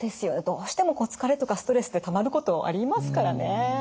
どうしても疲れとかストレスってたまることありますからね。